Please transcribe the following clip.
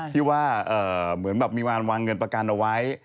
ที่ว่าเหมือนแบบมีการวางเงินประกันเอาไว้